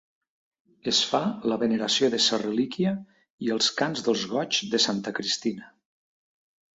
Es fa la veneració de Sa Relíquia i els cants dels Goigs de Sant Cristina.